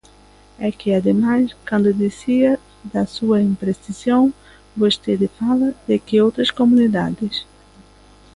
É que, ademais, cando dicía da súa imprecisión, vostede fala de que outras comunidades.